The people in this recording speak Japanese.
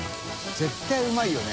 絶対うまいよね。